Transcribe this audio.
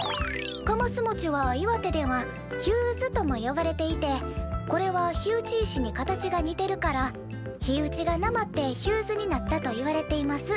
かますもちは岩手では『ひゅうず』とも呼ばれていてこれは火打ち石に形が似てるから『ひうち』がなまって『ひゅうず』になったといわれています」